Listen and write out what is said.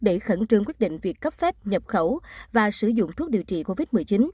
để khẩn trương quyết định việc cấp phép nhập khẩu và sử dụng thuốc điều trị covid một mươi chín